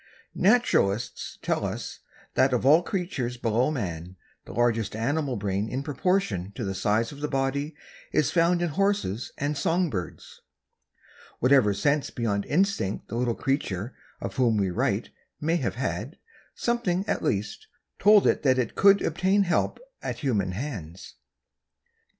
Naturalists tell us that of all creatures below man, the largest animal brain in proportion to the size of the body is found in horses and song birds. Whatever sense beyond instinct the little creature of whom we write may have had, something, at least, told it that it could obtain help at human hands.